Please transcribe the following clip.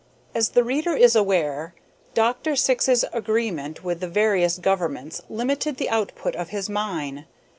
As the reader is aware, Dr. Syx's agreement with the various governments limited the output of his mine.